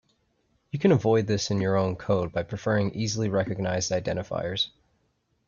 You can avoid this in your own code by preferring easily recognized identifiers.